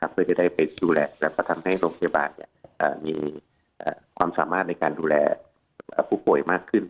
เพื่อจะได้ไปดูแลแล้วก็ทำให้โรงพยาบาลมีความสามารถในการดูแลผู้ป่วยมากขึ้น